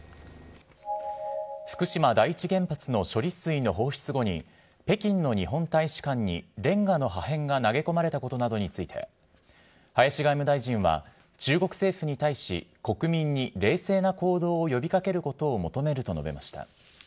福島第一原発の処理水の放出後に、北京の日本大使館にれんがの破片が投げ込まれたことなどについて、林外務大臣は、中国政府に対し、国民に冷静な行動を呼びかけることを求めると述べました。